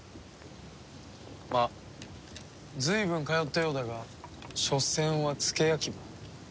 まあ随分通ったようだがしょせんは付け焼き刃。